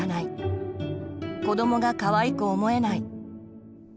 子どもがかわいく思えない。